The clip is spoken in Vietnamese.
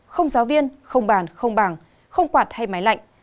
không giáo viên không bàn không bàn không quạt hay máy lạnh